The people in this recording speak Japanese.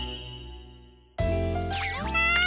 みんな！